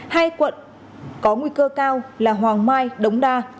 hai quận có nguy cơ cao là hoàng mai đống đa